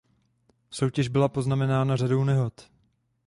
Soutěž byla poznamenána řadou nehod.